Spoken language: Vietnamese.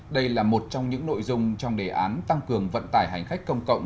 đây là một trong những nội dung trong đề án tăng cường vận tải hành khách công cộng